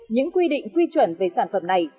những quy định quy chuẩn về sản phẩm này